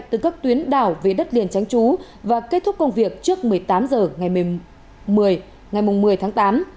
từ các tuyến đảo về đất liền tránh trú và kết thúc công việc trước một mươi tám h ngày một mươi tháng tám